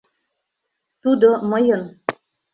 Тудо — мыйын.